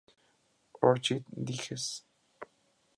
Orchid Digest.